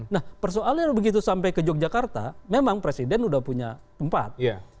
nah persoalannya begitu sampai ke yogyakarta memang presiden sudah punya tempat